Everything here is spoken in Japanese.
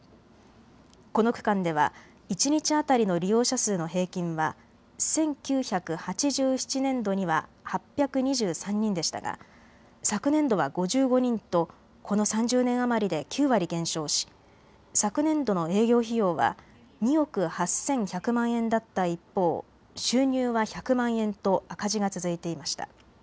この区間では一日当たりの利用者数の平均は１９８７年度には８２３人でしたが昨年度は５５人とこの３０年余りで９割減少し昨年度の営業費用は２億８１００万円だった一方、収入は１００万円と赤字が続いていました。